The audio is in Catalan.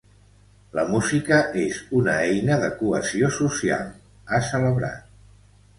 “La música és una eina de cohesió social”, ha celebrat.